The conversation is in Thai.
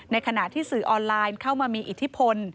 ขณะที่สื่อออนไลน์เข้ามามีอิทธิพล